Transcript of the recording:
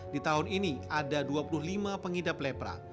di tahun ini ada dua puluh lima pengidap lepra